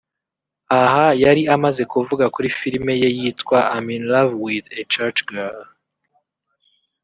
Aha yari amaze kuvuga kuri filime ye yitwa “I’m in Love with a Church Girl